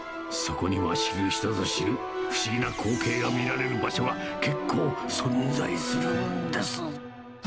そこには知る人ぞ知る不思議な光景が見られる場所が結構存在するんです。